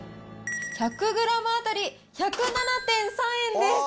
１００グラム当たり１０７．３円です。